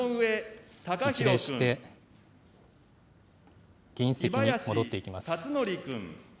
一礼して、議員席に戻っていきます。